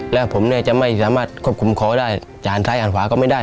และผมเนี่ยจะไม่สามารถควบคุมคอได้จะอ่านซ้ายอ่านขวาก็ไม่ได้